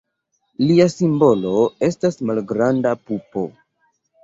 Lia simbolo estas malgranda pupo.